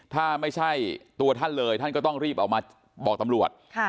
ถ้าไม่ใช่ตัวท่านเลยท่านก็ต้องรีบออกมาบอกตำรวจ